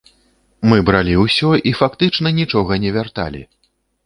Мы бралі ўсё і фактычна нічога не вярталі.